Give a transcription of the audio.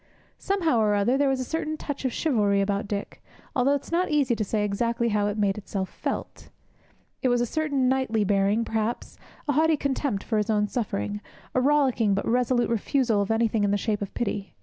Somehow or other, there was a certain touch of chivalry about Dick, although it is not easy to say exactly how it made itself felt. It was a certain knightly bearing, perhaps, a haughty contempt for his own suffering, a rollicking but resolute refusal of anything in the shape of pity.